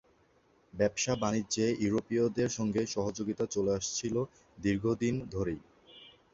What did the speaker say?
ব্যবসা-বাণিজ্যে ইউরোপীয়দের সঙ্গে সহযোগিতা চলে আসছিল দীর্ঘদিন ধরেই।